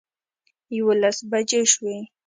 یوولس بجې شوې.